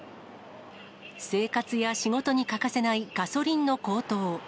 生活や仕事に欠かせないガソリンの高騰。